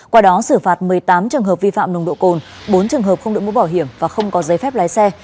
qua đó xử phạt một mươi tám trường hợp vi phạm nồng độ cồn bốn trường hợp không được mũ bảo hiểm và không có giấy phép lái xe